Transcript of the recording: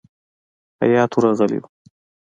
هیات ورغلی وو.